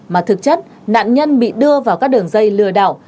mà thực chất nạn nhân bị đưa vào các đường dây lừa đảo